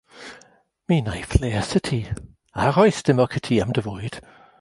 Mi wnaiff les i ti a rhoi stumog i ti am dy fwyd.